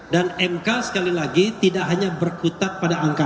dan mk sekali lagi tidak hanya berkutat pada angkasa